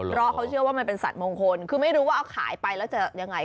เพราะเขาเชื่อว่ามันเป็นสัตว์มงคลคือไม่รู้ว่าเอาขายไปแล้วจะยังไง